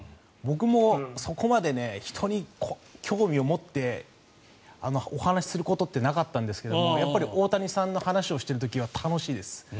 僕もそこまで人に興味を持ってお話しすることってなかったんですけどやっぱり大谷さんの話をしている時は楽しいです。